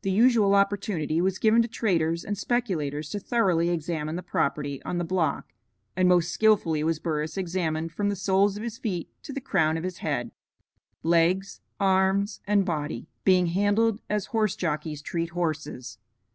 The usual opportunity was given to traders and speculators to thoroughly examine the property on the block, and most skillfully was Burris examined from the soles of his feet to the crown of his head; legs, arms and body, being handled as horse jockies treat horses.